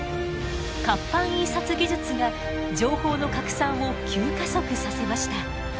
活版印刷技術が情報の拡散を急加速させました。